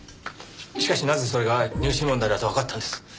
しかしなぜそれが入試問題だとわかったんです？